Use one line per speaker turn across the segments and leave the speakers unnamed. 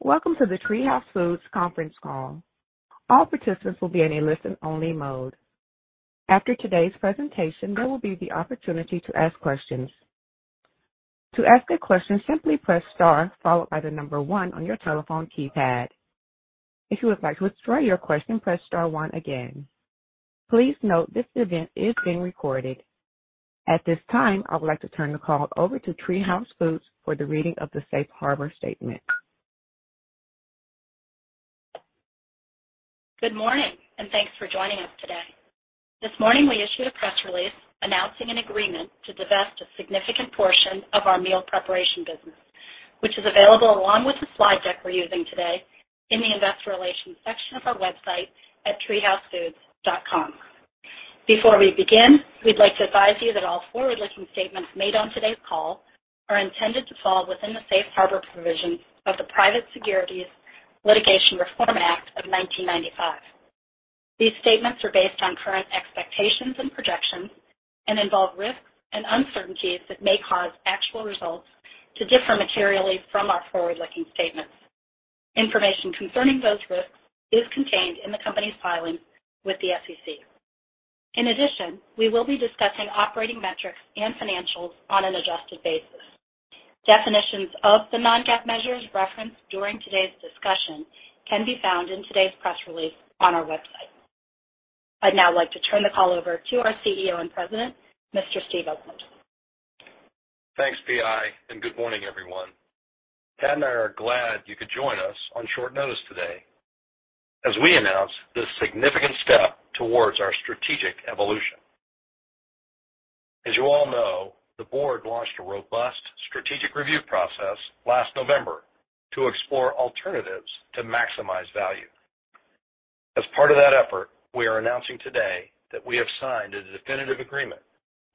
Welcome to the TreeHouse Foods conference call. All participants will be in a listen-only mode. After today's presentation, there will be the opportunity to ask questions. To ask a question, simply press star followed by one on your telephone keypad. If you would like to withdraw your question, press star one again. Please note this event is being recorded. At this time, I would like to turn the call over to TreeHouse Foods for the reading of the safe harbor statement.
Good morning, and thanks for joining us today. This morning, we issued a press release announcing an agreement to divest a significant portion of our meal preparation business, which is available along with the slide deck we're using today in the investor relations section of our website at treehousefoods.com. Before we begin, we'd like to advise you that all forward-looking statements made on today's call are intended to fall within the safe harbor provisions of the Private Securities Litigation Reform Act of 1995. These statements are based on current expectations and projections and involve risks and uncertainties that may cause actual results to differ materially from our forward-looking statements. Information concerning those risks is contained in the company's filings with the SEC. In addition, we will be discussing operating metrics and financials on an adjusted basis. Definitions of the non-GAAP measures referenced during today's discussion can be found in today's press release on our website. I'd now like to turn the call over to our CEO and President, Mr. Steve Oakland.
Thanks, PI, and good morning, everyone. Pat and I are glad you could join us on short notice today as we announce this significant step towards our strategic evolution. As you all know, the board launched a robust strategic review process last November to explore alternatives to maximize value. As part of that effort, we are announcing today that we have signed a definitive agreement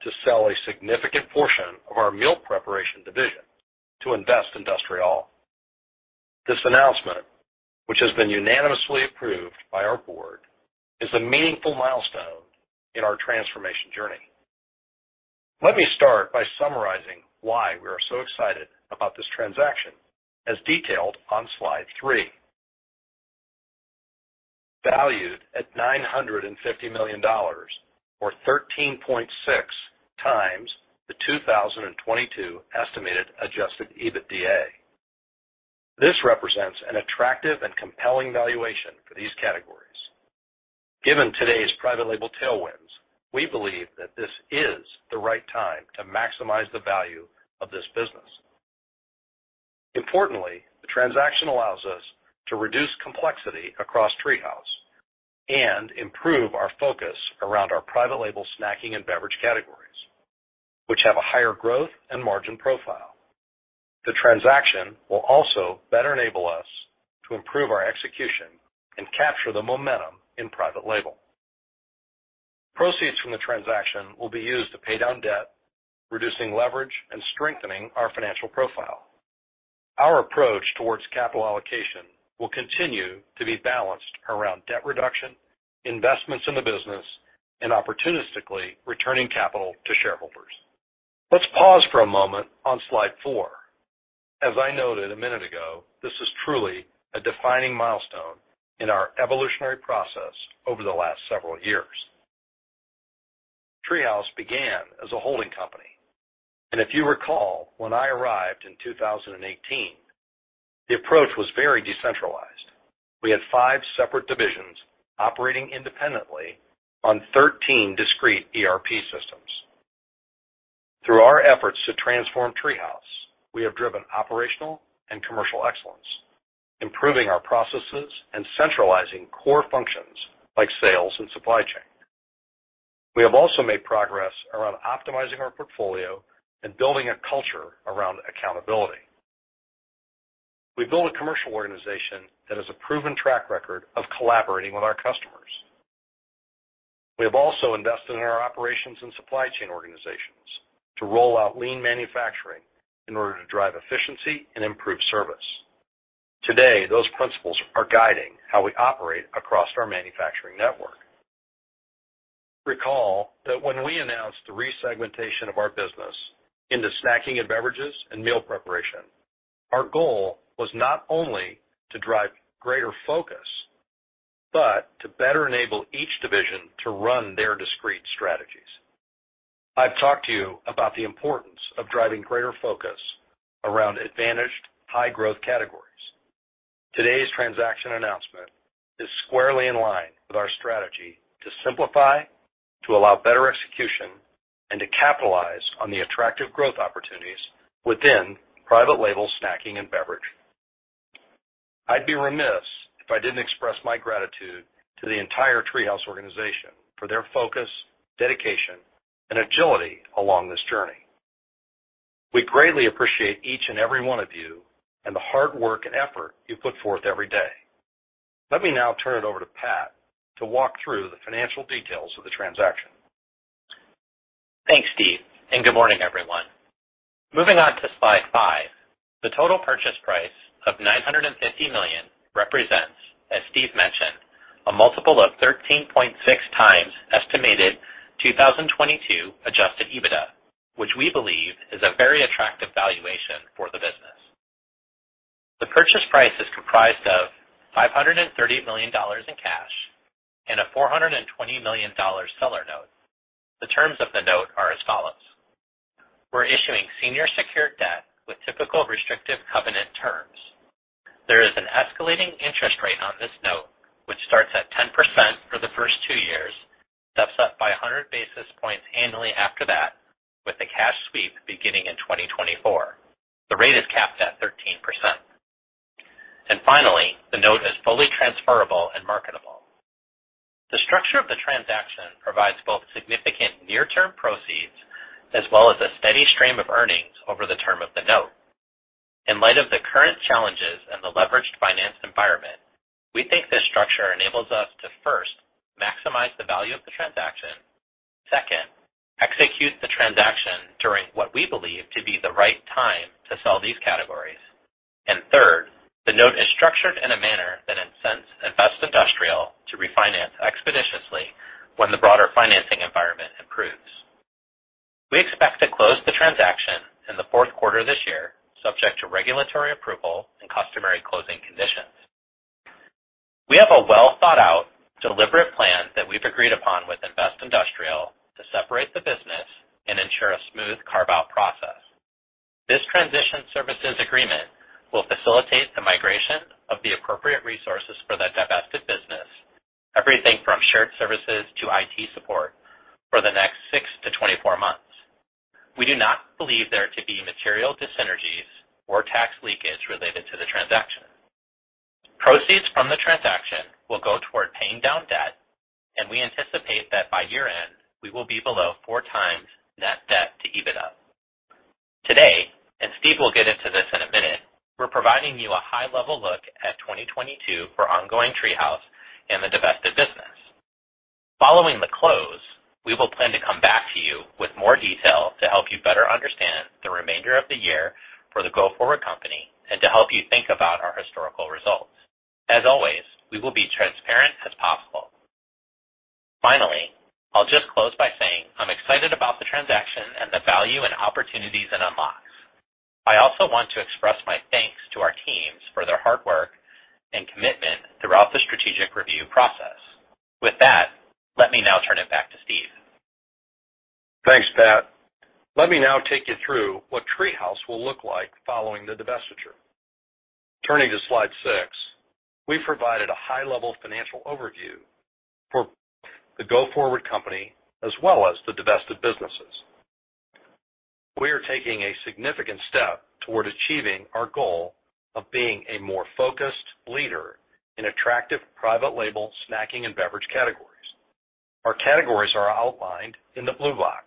to sell a significant portion of our meal preparation division to Investindustrial. This announcement, which has been unanimously approved by our board, is a meaningful milestone in our transformation journey. Let me start by summarizing why we are so excited about this transaction, as detailed on slide three. Valued at $950 million or 13.6x the 2022 estimated adjusted EBITDA. This represents an attractive and compelling valuation for these categories. Given today's private label tailwinds, we believe that this is the right time to maximize the value of this business. Importantly, the transaction allows us to reduce complexity across TreeHouse and improve our focus around our private label snacking and beverage categories, which have a higher growth and margin profile. The transaction will also better enable us to improve our execution and capture the momentum in private label. Proceeds from the transaction will be used to pay down debt, reducing leverage, and strengthening our financial profile. Our approach towards capital allocation will continue to be balanced around debt reduction, investments in the business, and opportunistically returning capital to shareholders. Let's pause for a moment on slide four. As I noted a minute ago, this is truly a defining milestone in our evolutionary process over the last several years. TreeHouse began as a holding company, and if you recall, when I arrived in 2018, the approach was very decentralized. We had five separate divisions operating independently on thirteen discrete ERP systems. Through our efforts to transform TreeHouse, we have driven operational and commercial excellence, improving our processes and centralizing core functions like sales and supply chain. We have also made progress around optimizing our portfolio and building a culture around accountability. We built a commercial organization that has a proven track record of collaborating with our customers. We have also invested in our operations and supply chain organizations to roll out lean manufacturing in order to drive efficiency and improve service. Today, those principles are guiding how we operate across our manufacturing network. Recall that when we announced the resegmentation of our business into snacking and beverages and meal preparation, our goal was not only to drive greater focus, but to better enable each division to run their discrete strategies. I've talked to you about the importance of driving greater focus around advantaged, high-growth categories. Today's transaction announcement is squarely in line with our strategy to simplify, to allow better execution, and to capitalize on the attractive growth opportunities within private label snacking and beverage. I'd be remiss if I didn't express my gratitude to the entire TreeHouse organization for their focus, dedication, and agility along this journey. We greatly appreciate each and every one of you and the hard work and effort you put forth every day. Let me now turn it over to Pat to walk through the financial details of the transaction.
Thanks, Steve, and good morning, everyone. Moving on to slide five. The total purchase price of $950 million represents, as Steve mentioned, a multiple of 13.6x 2022 adjusted EBITDA, which we believe is a very attractive valuation for the business. The purchase price is comprised of $530 million in cash and a $420 million seller note. The terms of the note are as follows. We're issuing senior secured debt with typical restrictive covenant terms. There is an escalating interest rate on this note, which starts at 10% for the first two years, steps up by 100 basis points annually after that, with the cash sweep beginning in 2024. The rate is capped at 13%. Finally, the note is fully transferable and marketable. The structure of the transaction provides both significant near-term proceeds as well as a steady stream of earnings over the term of the note. In light of the current challenges and the leveraged finance environment, we think this structure enables us to, first, maximize the value of the transaction, second, execute the transaction during what we believe to be the right time to sell these categories, and third, the note is structured in a manner that incents Investindustrial to refinance expeditiously when the broader financing environment improves. We expect to close the transaction in the fourth quarter of this year, subject to regulatory approval and customary closing conditions. We have a well-thought-out, deliberate plan that we've agreed upon with Investindustrial to separate the business and ensure a smooth carve-out process. This transition services agreement will facilitate the migration of the appropriate resources for the divested business, everything from shared services to IT support for the next 6-24 months. We do not believe there to be material dyssynergies or tax leakage related to the transaction. Proceeds from the transaction will go toward paying down debt, and we anticipate that by year-end, we will be below 4x net debt to EBITDA. Today, Steve will get into this in a minute, we're providing you a high-level look at 2022 for ongoing TreeHouse and the divested business. Following the close, we will plan to come back to you with more detail to help you better understand the remainder of the year for the go-forward company and to help you think about our historical results. As always, we will be transparent as possible. Finally, I'll just close by saying I'm excited about the transaction and the value and opportunities it unlocks. I also want to express my thanks to our teams for their hard work and commitment throughout the strategic review process. With that, let me now turn it back to Steve.
Thanks, Pat. Let me now take you through what TreeHouse will look like following the divestiture. Turning to slide six, we provided a high-level financial overview for the go-forward company as well as the divested businesses. We are taking a significant step toward achieving our goal of being a more focused leader in attractive private label snacking and beverage categories. Our categories are outlined in the blue box.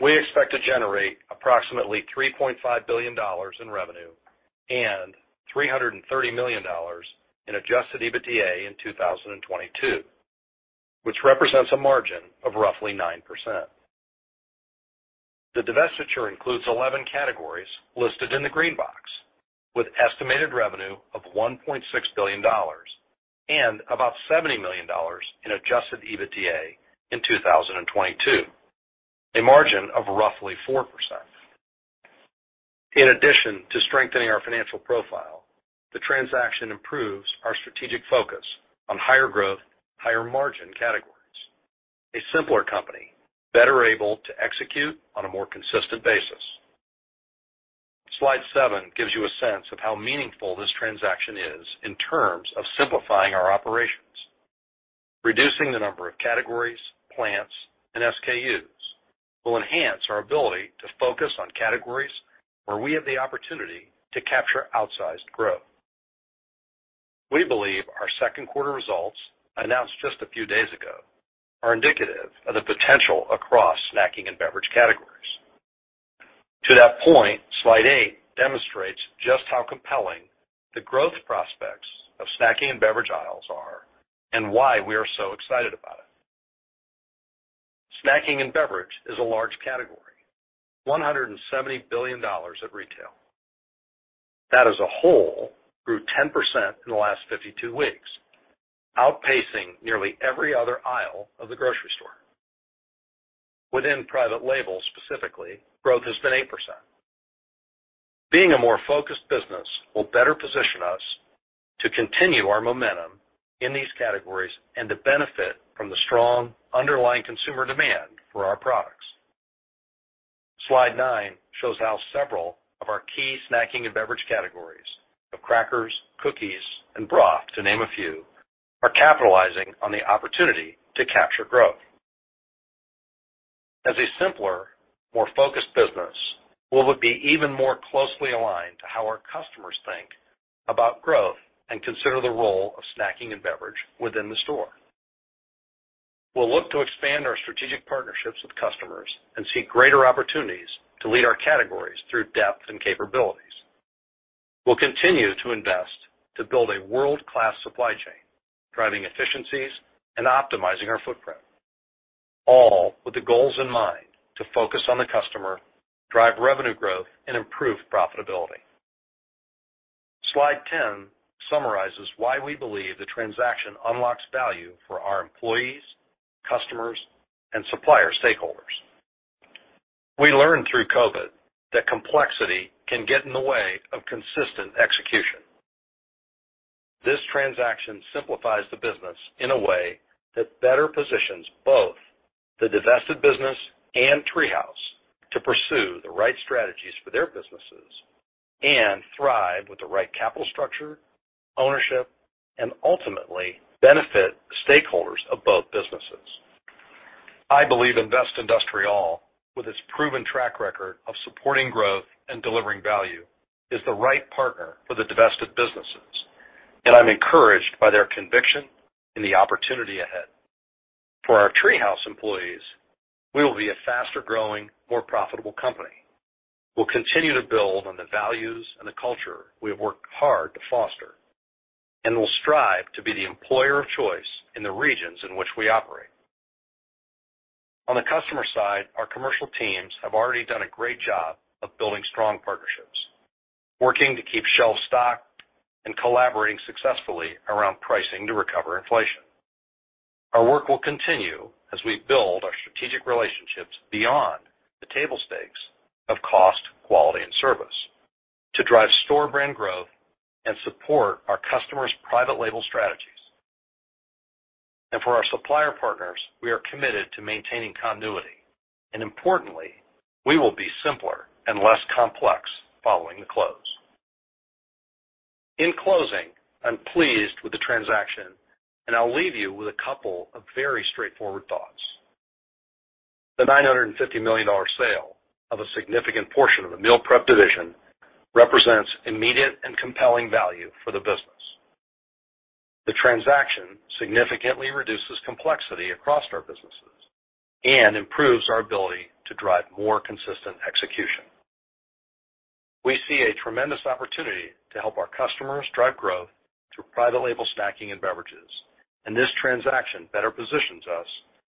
We expect to generate approximately $3.5 billion in revenue and $330 million in adjusted EBITDA in 2022, which represents a margin of roughly 9%. The divestiture includes 11 categories listed in the green box, with estimated revenue of $1.6 billion and about $70 million in adjusted EBITDA in 2022, a margin of roughly 4%. In addition to strengthening our financial profile, the transaction improves our strategic focus on higher growth, higher margin categories. A simpler company, better able to execute on a more consistent basis. Slide seven gives you a sense of how meaningful this transaction is in terms of simplifying our operations. Reducing the number of categories, plants, and SKUs will enhance our ability to focus on categories where we have the opportunity to capture outsized growth. We believe our second quarter results, announced just a few days ago, are indicative of the potential across snacking and beverage categories. To that point, slide eight demonstrates just how compelling the growth prospects of snacking and beverage aisles are and why we are so excited about it. Snacking and beverage is a large category, $170 billion at retail. That as a whole grew 10% in the last 52 weeks, outpacing nearly every other aisle of the grocery store. Within private label, specifically, growth has been 8%. Being a more focused business will better position us to continue our momentum in these categories and to benefit from the strong underlying consumer demand for our products. Slide nine shows how several of our key snacking and beverage categories of crackers, cookies, and broth, to name a few, are capitalizing on the opportunity to capture growth. As a simpler, more focused business, we will be even more closely aligned to how our customers think about growth and consider the role of snacking and beverage within the store. We'll look to expand our strategic partnerships with customers and seek greater opportunities to lead our categories through depth and capabilities. We'll continue to invest to build a world-class supply chain, driving efficiencies and optimizing our footprint, all with the goals in mind to focus on the customer, drive revenue growth, and improve profitability. Slide 10 summarizes why we believe the transaction unlocks value for our employees, customers, and supplier stakeholders. We learned through COVID that complexity can get in the way of consistent execution. This transaction simplifies the business in a way that better positions both the divested business and TreeHouse to pursue the right strategies for their businesses and thrive with the right capital structure, ownership, and ultimately benefit stakeholders of both businesses. I believe Investindustrial, with its proven track record of supporting growth and delivering value, is the right partner for the divested businesses, and I'm encouraged by their conviction in the opportunity ahead. For our TreeHouse employees, we will be a faster-growing, more profitable company. We'll continue to build on the values and the culture we have worked hard to foster, and we'll strive to be the employer of choice in the regions in which we operate. On the customer side, our commercial teams have already done a great job of building strong partnerships, working to keep shelves stocked and collaborating successfully around pricing to recover inflation. Our work will continue as we build our strategic relationships beyond the table stakes of cost, quality, and service to drive store brand growth and support our customers' private label strategies. For our supplier partners, we are committed to maintaining continuity, and importantly, we will be simpler and less complex following the close. In closing, I'm pleased with the transaction, and I'll leave you with a couple of very straightforward thoughts. The $950 million sale of a significant portion of the meal prep division represents immediate and compelling value for the business. The transaction significantly reduces complexity across our businesses and improves our ability to drive more consistent execution. We see a tremendous opportunity to help our customers drive growth through private label snacking and beverages, and this transaction better positions us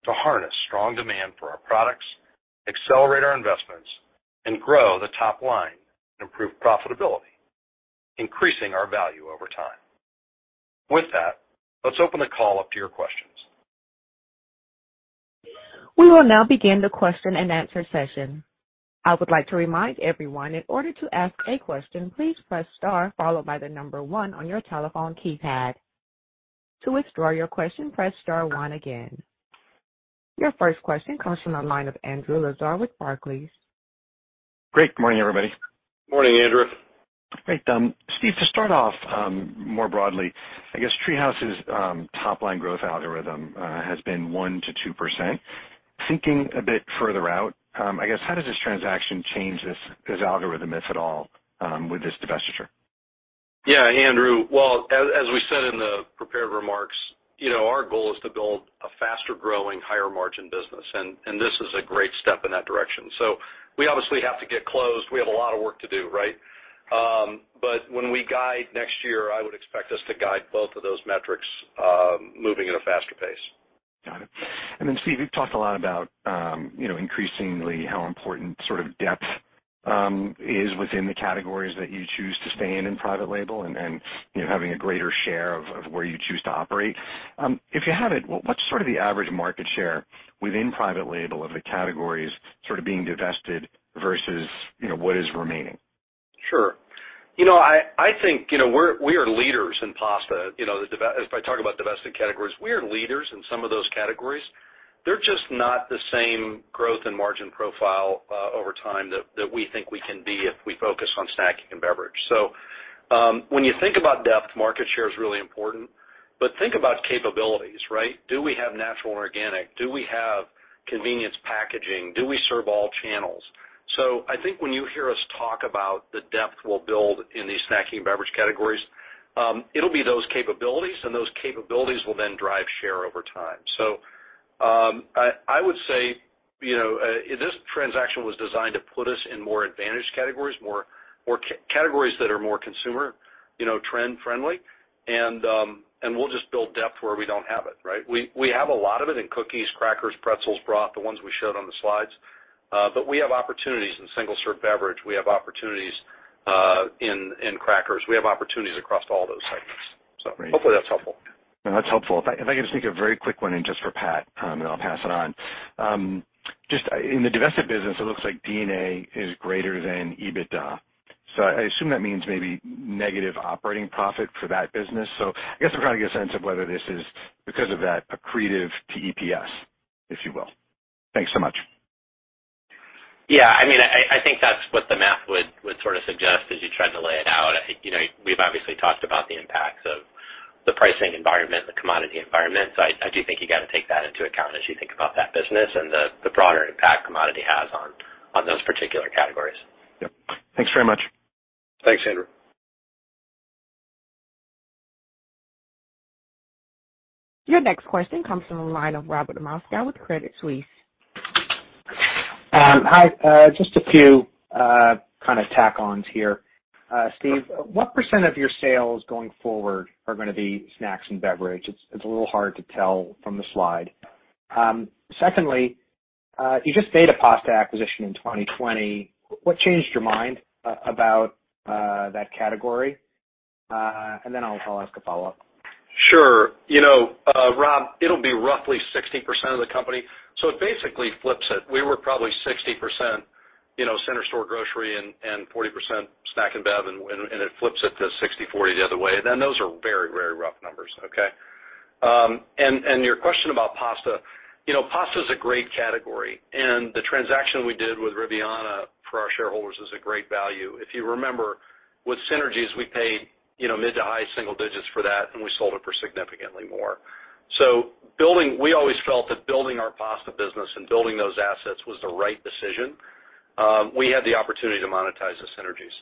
to harness strong demand for our products, accelerate our investments, and grow the top line and improve profitability, increasing our value over time. With that, let's open the call up to your questions.
We will now begin the question-and-answer session. I would like to remind everyone in order to ask a question, please press star followed by the number one on your telephone keypad. To withdraw your question, press star one again. Your first question comes from the line of Andrew Lazar with Barclays.
Great. Good morning, everybody.
Morning, Andrew.
Great. Steve, to start off, more broadly, I guess TreeHouse's top-line growth algorithm has been 1%-2%. Thinking a bit further out, I guess how does this transaction change this algorithm, if at all, with this divestiture?
Yeah, Andrew. Well, as we said in the prepared remarks, you know, our goal is to build a faster-growing, higher-margin business, and this is a great step in that direction. We obviously have to get closed. We have a lot of work to do, right? When we guide next year, I would expect us to guide both of those metrics, moving at a faster pace.
Got it. Steve, you've talked a lot about, you know, increasingly how important sort of depth is within the categories that you choose to stay in private label and, you know, having a greater share of where you choose to operate. If you have it, what's sort of the average market share within private label of the categories sort of being divested versus, you know, what is remaining?
Sure. You know, I think, you know, we are leaders in pasta. You know, if I talk about divested categories, we are leaders in some of those categories. They're just not the same growth and margin profile over time that we think we can be if we focus on snacking and beverage. When you think about depth, market share is really important, but think about capabilities, right? Do we have natural and organic? Do we have convenience packaging? Do we serve all channels? I think when you hear us talk about the depth we'll build in these snacking and beverage categories, it'll be those capabilities, and those capabilities will then drive share over time. I would say, you know, this transaction was designed to put us in more advantaged categories that are more consumer, you know, trend-friendly, and we'll just build depth where we don't have it, right? We have a lot of it in cookies, crackers, pretzels, broth, the ones we showed on the slides, but we have opportunities in single-serve beverage. We have opportunities in crackers. We have opportunities across all those segments. Hopefully that's helpful.
No, that's helpful. If I could just sneak a very quick one in just for Pat, and I'll pass it on. Just in the divested business, it looks like D&A is greater than EBITDA. I assume that means maybe negative operating profit for that business. I guess I'm trying to get a sense of whether this is, because of that, accretive to EPS, if you will. Thanks so much.
Yeah, I mean, I think that's what the math would sort of suggest as you tried to lay it out. You know, we've obviously talked about the impacts of the pricing environment, the commodity environment. I do think you got to take that into account as you think about that business and the broader impact commodity has on those particular categories.
Yep. Thanks very much.
Thanks, Andrew.
Your next question comes from the line of Robert Moskow with Credit Suisse.
Hi. Just a few kind of tack-ons here. Steve, what % of your sales going forward are gonna be snacks and beverage? It's a little hard to tell from the slide. Secondly, you just made a pasta acquisition in 2020. What changed your mind about that category? And then I'll ask a follow-up.
Sure. You know, Rob, it'll be roughly 60% of the company, so it basically flips it. We were probably 60%, you know, center store grocery and 40% snack and bev, and it flips it to 60-40 the other way. Those are very, very rough numbers. Okay? And your question about pasta. You know, pasta is a great category, and the transaction we did with Riviana for our shareholders is a great value. If you remember, with synergies, we paid, you know, mid to high single digits for that, and we sold it for significantly more. Building our pasta business and building those assets was the right decision. We had the opportunity to monetize the synergies.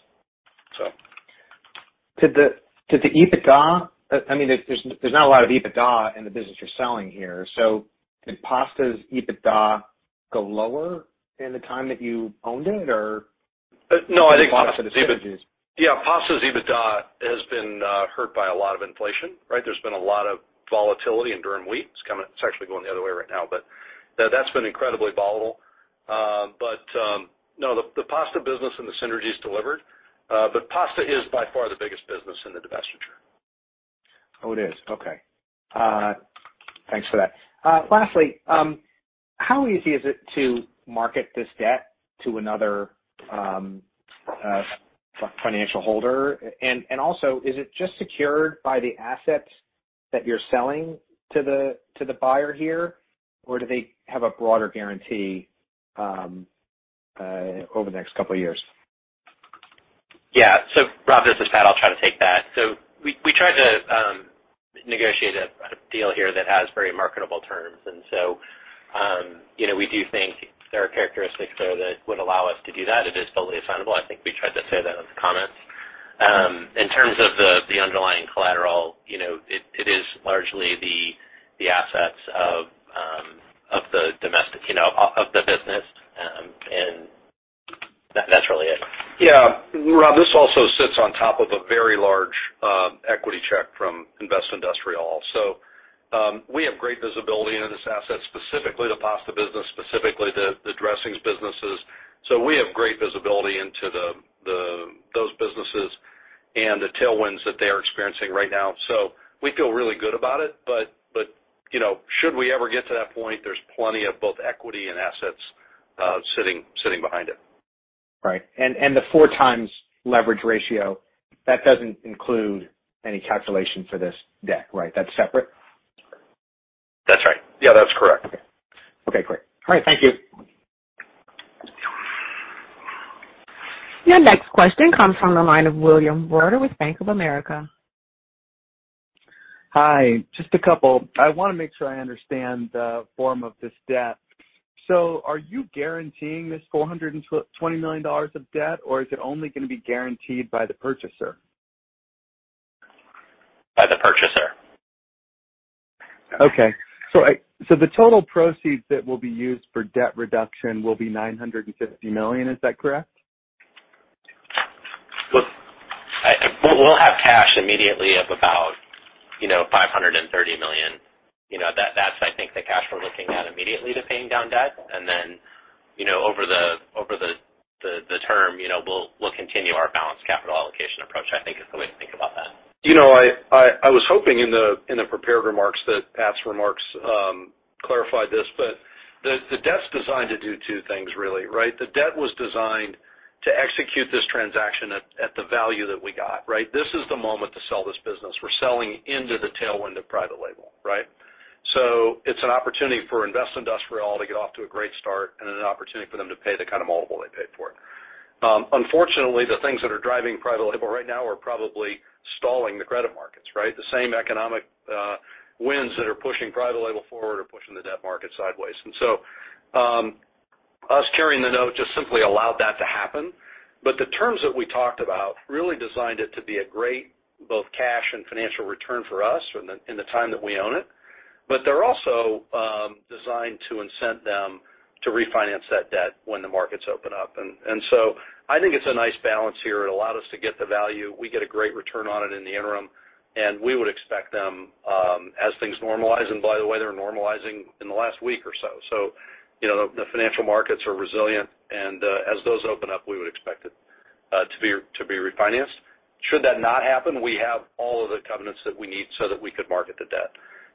Did the EBITDA? I mean, there's not a lot of EBITDA in the business you're selling here. Did pasta's EBITDA go lower in the time that you owned it or-
No, I think.
The synergies.
Yeah, pasta's EBITDA has been hurt by a lot of inflation, right? There's been a lot of volatility in durum wheat. It's actually going the other way right now, but that's been incredibly volatile. The pasta business and the synergies delivered. Pasta is by far the biggest business in the divestiture.
Oh, it is. Okay. Thanks for that. Lastly, how easy is it to market this debt to another financial holder? Also, is it just secured by the assets that you're selling to the buyer here, or do they have a broader guarantee over the next couple of years?
Rob, this is Pat. I'll try to take that. We tried to negotiate a deal here that has very marketable terms. We do think there are characteristics there that would allow us to do that. It is fully assignable. I think we tried to say that in the comments. In terms of the underlying collateral, you know, it is largely the assets of the domestic business, you know, and that's really it.
Yeah. Rob, this also sits on top of a very large equity check from Investindustrial. We have great visibility into this asset, specifically the pasta business, specifically the dressings businesses. We have great visibility into those businesses and the tailwinds that they are experiencing right now. We feel really good about it. But you know, should we ever get to that point, there's plenty of both equity and assets sitting behind it.
Right. The 4x leverage ratio, that doesn't include any calculation for this debt, right? That's separate.
That's right. Yeah, that's correct.
Okay, great. All right, thank you.
Your next question comes from the line of William Kelley with Bank of America.
Hi. Just a couple. I wanna make sure I understand the form of this debt. Are you guaranteeing this $420 million of debt, or is it only gonna be guaranteed by the purchaser?
By the purchaser.
The total proceeds that will be used for debt reduction will be $950 million, is that correct?
Look, we'll have cash immediately of about, you know, $530 million. You know, that's I think the cash we're looking at immediately to paying down debt. Then, you know, over the term, you know, we'll continue our balanced capital allocation approach, I think is the way to think about that.
You know, I was hoping in the prepared remarks that Pat's remarks clarified this, but the debt's designed to do two things really, right? The debt was designed to execute this transaction at the value that we got, right? This is the moment to sell this business. We're selling into the tailwind of private label, right? It's an opportunity for Investindustrial to get off to a great start and an opportunity for them to pay the kind of multiple they paid for it. Unfortunately, the things that are driving private label right now are probably stalling the credit markets, right? The same economic winds that are pushing private label forward are pushing the debt market sideways. Us carrying the note just simply allowed that to happen. The terms that we talked about really designed it to be a great both cash and financial return for us in the time that we own it. They're also designed to incent them to refinance that debt when the markets open up. So I think it's a nice balance here. It allowed us to get the value. We get a great return on it in the interim, and we would expect them as things normalize, and by the way, they're normalizing in the last week or so. You know, the financial markets are resilient and as those open up, we would expect it to be refinanced. Should that not happen, we have all of the covenants that we need so that we could market the debt.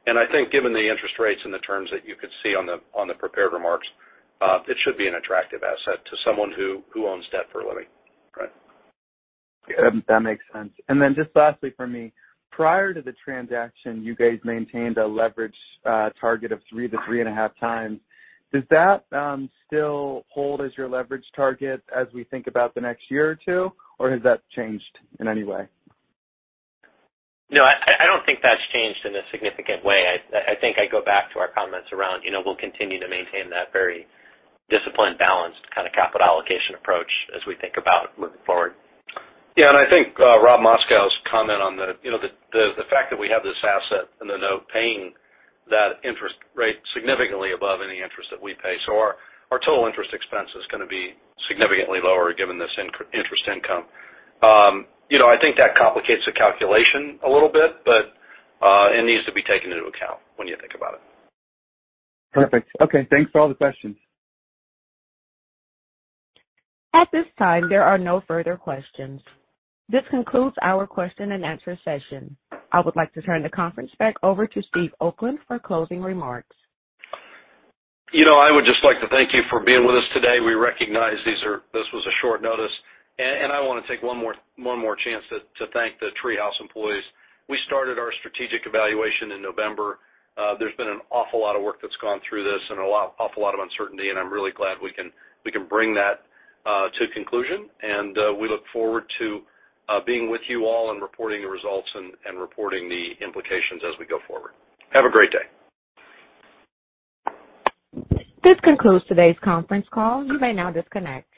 I think given the interest rates and the terms that you could see on the prepared remarks, it should be an attractive asset to someone who owns debt for a living.
Right. That makes sense. Then just lastly for me, prior to the transaction, you guys maintained a leverage target of 3-3.5 times. Does that still hold as your leverage target as we think about the next year or two, or has that changed in any way?
No, I don't think that's changed in a significant way. I think I go back to our comments around, you know, we'll continue to maintain that very disciplined, balanced kinda capital allocation approach as we think about moving forward.
Yeah. I think Robert Moskow's comment on the, you know, the fact that we have this asset and the note paying that interest rate significantly above any interest that we pay. Our total interest expense is gonna be significantly lower given this interest income. You know, I think that complicates the calculation a little bit, but it needs to be taken into account when you think about it.
Perfect. Okay. Thanks for all the questions.
At this time, there are no further questions. This concludes our question and answer session. I would like to turn the conference back over to Steve Oakland for closing remarks.
You know, I would just like to thank you for being with us today. We recognize this was a short notice. I wanna take one more chance to thank the TreeHouse employees. We started our strategic evaluation in November. There's been an awful lot of work that's gone through this and an awful lot of uncertainty, and I'm really glad we can bring that to conclusion. We look forward to being with you all in reporting the results and reporting the implications as we go forward. Have a great day.
This concludes today's conference call. You may now disconnect.